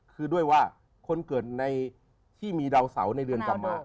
คือด้วยว่าคนเกิดในที่มีดาวเสาในเรือนกลับมา